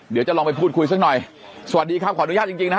เดี๋ยวจะลองไปพูดคุยสักหน่อยสวัสดีครับขออนุญาตจริงจริงนะฮะ